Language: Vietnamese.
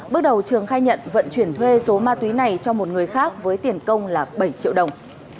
bước đầu trường khai nhận vận chuyển thuê số ma túy này cho một người khác với tiền công là bảy triệu đồng